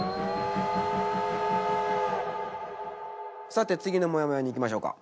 さて次のもやもやにいきましょうか。